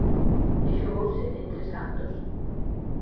E xogouse en tres actos.